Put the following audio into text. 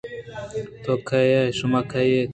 تو کَے ئے؟ شما کَے اِت؟